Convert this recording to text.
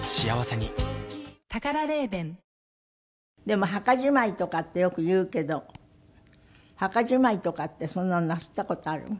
でも墓じまいとかってよく言うけど墓じまいとかってそんなのなすった事ある？